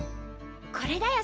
これだよ